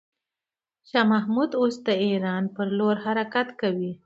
شاه محمود اوس د ایران پر لور حرکت کوي.